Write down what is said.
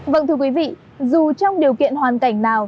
vâng thưa quý vị dù trong điều kiện hoàn cảnh nào